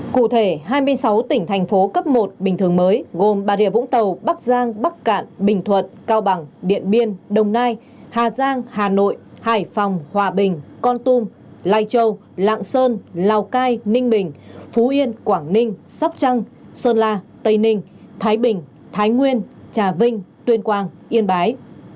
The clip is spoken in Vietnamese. cụ thể hai mươi sáu tỉnh thành phố cấp một bình thường mới gồm bà rìa vũng tàu bắc giang bắc cạn bình thuật cao bằng điện biên đồng nai hà giang hà nội hải phòng hòa bình con tum lai châu lạng sơn lào cai ninh bình phú yên quảng ninh sóc trăng sơn la tây ninh thái bình thái nguyên trà vinh tuyên quang yên bái